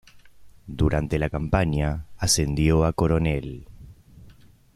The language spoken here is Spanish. Durante la campaña, ascendió a coronel.